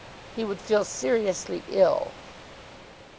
he would feel seriously ill.